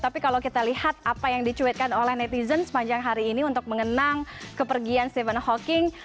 tapi kalau kita lihat apa yang dicuitkan oleh netizen sepanjang hari ini untuk mengenang kepergian stephen hawking